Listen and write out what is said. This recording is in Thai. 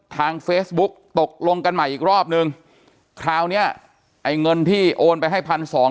ทางเฟซบุ๊กตกลงกันใหม่อีกรอบนึงคราวเนี้ยไอ้เงินที่โอนไปให้พันสอง